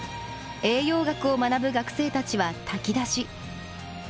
栄養学を学ぶ学生たちは炊き出し。